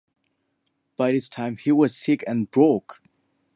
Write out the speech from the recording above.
By this time he was sick and broke.